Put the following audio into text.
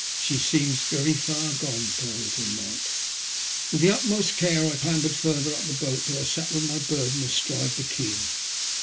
She seems very far gone, poor little mite." With the utmost care I clambered further up the boat till I sat with my burden astride the keel.